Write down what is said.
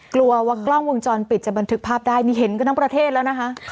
กลัวว่ากล้องวงจรปิดจะบันทึกภาพได้นี่เห็นกันทั้งประเทศแล้วนะคะ